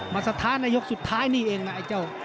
สะท้านในยกสุดท้ายนี่เองนะไอ้เจ้า